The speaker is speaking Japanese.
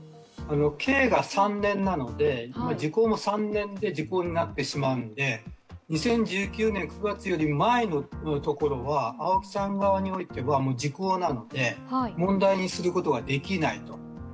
刑が３年なので、３年で時効になってしまうので、２０１９年９月より前のところは青木さん側においては時効なので問題にすることはできない。